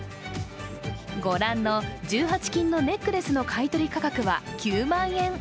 ご覧の１８金のネックレスの買い取り価格は９万円。